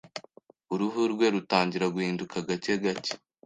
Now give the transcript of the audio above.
Uruhu rwe rutangira guhinduka gake gake.